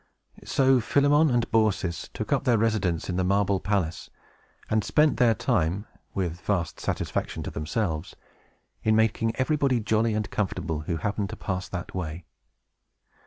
So Philemon and Baucis took up their residence in the marble palace, and spent their time, with vast satisfaction to themselves, in making everybody jolly and comfortable who happened to pass that way.